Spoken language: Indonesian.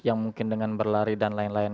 yang mungkin dengan berlari dan lain lain